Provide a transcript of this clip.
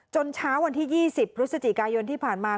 เช้าวันที่๒๐พฤศจิกายนที่ผ่านมา